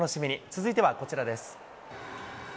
続いてはこちらです。